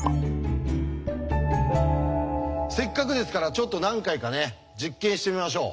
せっかくですからちょっと何回かね実験してみましょう。